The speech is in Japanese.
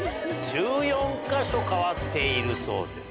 １４か所変わっているそうです。